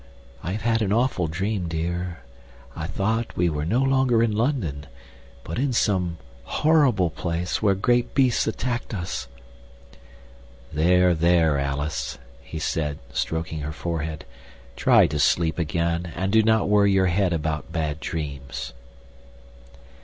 I have had an awful dream, dear. I thought we were no longer in London, but in some horrible place where great beasts attacked us." "There, there, Alice," he said, stroking her forehead, "try to sleep again, and do not worry your head about bad dreams."